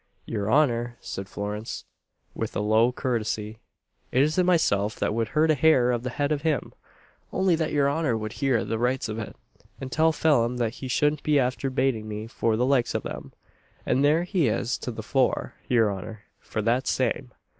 "Your honour," said Florence, with a low courtesy, "it isn't myself that would hurt a hair of the head of him; ounly that your honour would hear the rights of it, and tell Phelim he shouldn't be after bating me for the likes of them. And here he is to the fore, your honour, for that same."